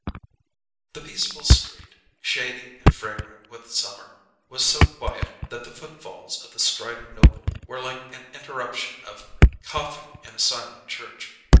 The peaceful street, shady and fragrant with summer, was so quiet that the footfalls of the striding Noble were like an interruption of coughing in a silent church.